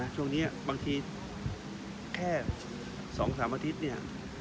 ช่วงนี้บางทีแค่๒๓อาทิตย์เนี่ย